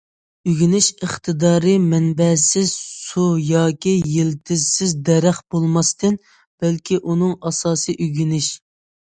ئۆگىنىش ئىقتىدارى مەنبەسىز سۇ ياكى يىلتىزسىز دەرەخ بولماستىن، بەلكى ئۇنىڭ ئاساسى ئۆگىنىش.